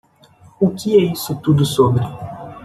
O que é isso tudo sobre?